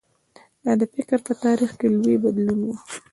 دا د فکر په تاریخ کې لوی بدلون و.